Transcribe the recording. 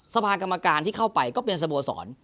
สภากรรมการที่เข้าไปก็เป็นสโมสร